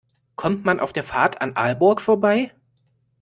Kommt man auf der Fahrt an Aalborg vorbei?